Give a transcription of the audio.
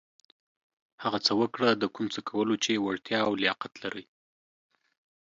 هغه څه وکړه د کوم څه کولو چې وړتېا او لياقت لرٸ.